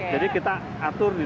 jadi kita atur di dua satu